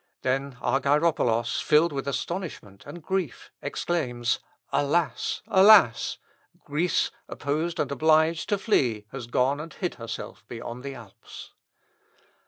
Then Argyropolos, filled with astonishment and grief, exclaims, "Alas! Alas! Greece, oppressed and obliged to flee, has gone and hid herself beyond the Alps!"